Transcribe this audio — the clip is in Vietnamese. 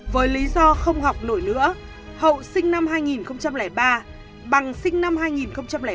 với lý do không học nổi nữa hậu sinh năm hai nghìn ba bằng sinh năm hai nghìn ba